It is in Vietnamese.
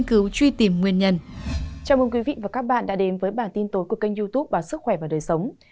chào các bạn đã đến với bản tin tối của kênh youtube bản sức khỏe và đời sống